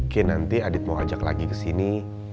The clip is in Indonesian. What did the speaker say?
kenanti adit mau ajak lagi ke sini